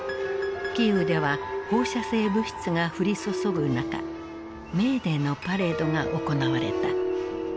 キーウでは放射性物質が降り注ぐ中メーデーのパレードが行われた。